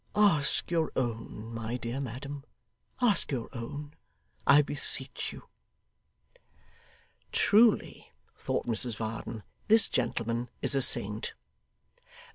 Ask your own, my dear madam. Ask your own, I beseech you.' 'Truly,' thought Mrs Varden, 'this gentleman is a saint.